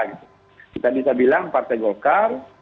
dan kita bilang partai golkar